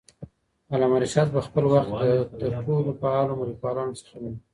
علامه رشاد په خپل وخت کې د تر ټولو فعالو لیکوالانو څخه وو.